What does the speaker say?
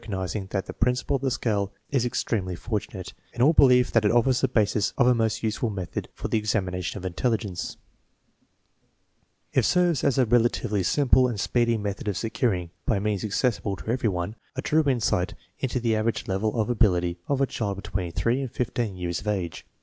10G THE MEASUREMENT OF INTELLIGENCE nizing that the principle of the scale is extremely fortunate, and all believe that it offers the basis of a most useful method for the examination of intelligence. 1 It serves as a relatively simple and speedy method of securing, by means accessible to every one, a true insight into the average level of ability of a child between 3 and lo years of age.